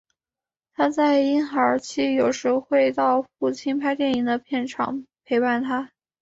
她在婴孩期有时会到父亲拍电影的片场陪伴他。